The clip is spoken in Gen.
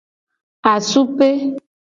Asupe.